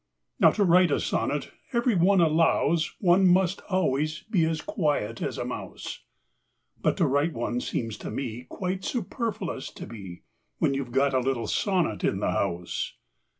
Now, to write a sonnet, every one allows, One must always be as quiet as a mouse; But to write one seems to me Quite superfluous to be, When you 've got a little sonnet in the house.